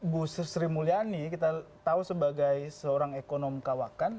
bu sri mulyani kita tahu sebagai seorang ekonom kawakan